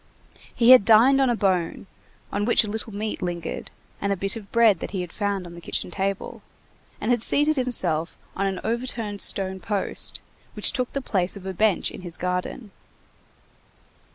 He had dined on a bone, on which a little meat lingered, and a bit of bread that he had found on the kitchen table, and had seated himself on an overturned stone post, which took the place of a bench in his garden.